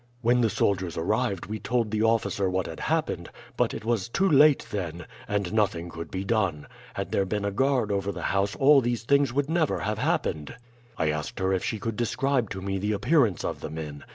"'When the soldiers arrived we told the officer what had happened; but it was too late then, and nothing could be done. Had there been a guard over the house all these things would never have happened.' "I asked her if she could describe to me the appearance of the men.